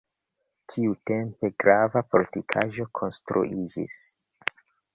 Tiutempe grava fortikaĵo konstruiĝis.